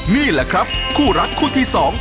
นี่แหละครับคู่รักคู่ที่สอง